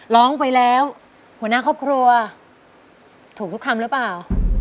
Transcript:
ร้องไปแล้วหัวหน้าครอบครัวถูกทุกคำหรือเปล่า